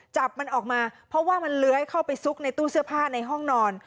จับมันออกมาเพราะว่ามันเลื้อยเข้าไปซุกในตู้เสื้อผ้าในห้องนอน